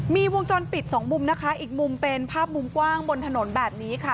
มีวงจรปิดสองมุมนะคะอีกมุมเป็นภาพมุมกว้างบนถนนแบบนี้ค่ะ